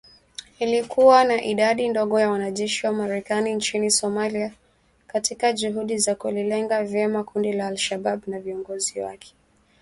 Ili kuwa na idadi ndogo ya wanajeshi wa Marekani nchini Somalia katika juhudi za kulilenga vyema kundi la al-Shabaab na viongozi wake